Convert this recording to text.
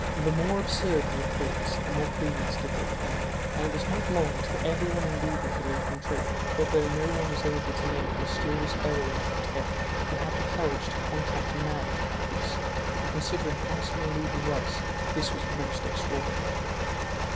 The more absurd the reports, the more credence did they gain, and it was not long till everyone in Loudun believed them true, although no one was able to name the mysterious heroine of the tale who had had the courage to contract a marriage with a priest; and considering how small Loudun was, this was most extraordinary.